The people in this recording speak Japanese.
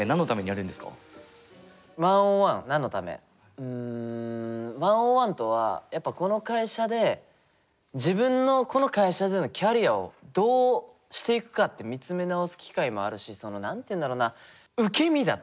１ｏｎ１何のためうん１ｏｎ１とはやっぱこの会社で自分のこの会社でのキャリアをどうしていくかって見つめなおす機会もあるしその何て言うんだろうな。